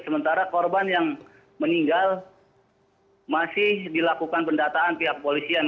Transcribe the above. sementara korban yang meninggal masih dilakukan pendataan pihak polisian